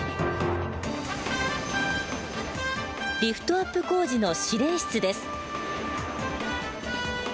リフトアップ工事の司令室です。